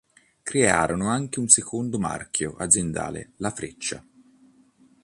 Crearono anche un secondo marchio aziendale, la freccia.